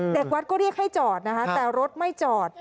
เด็กวัดเรียกให้จอดแต่รถไม่จอด